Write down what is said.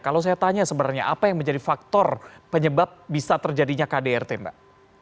kalau saya tanya sebenarnya apa yang menjadi faktor penyebab bisa terjadinya kdrt mbak